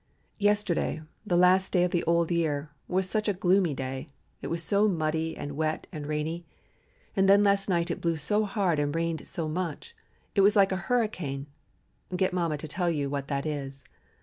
Yesterday, the last day of the old year, was such a gloomy day, it was so muddy and wet and rainy. And then last night it blew so hard and rained so much; it was like a hurricane (get mamma to tell you what that is).